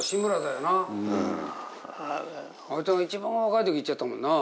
あいつが一番若い時に逝っちゃったもんな。